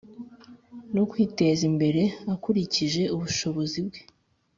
no kwiteza imbere akurikije ubushobozi bwe